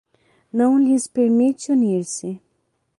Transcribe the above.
não lhes permite unir-se